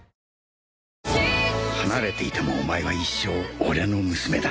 離れていてもお前は一生俺の娘だ。